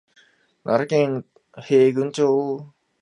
奈良県平群町